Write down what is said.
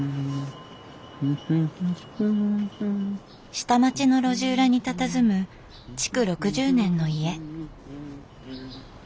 下町の路地裏にたたずむ築６０年の家。